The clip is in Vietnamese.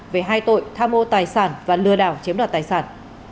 về hai tội tham mô tài sản và lừa đảo chiếm đoạt tài sản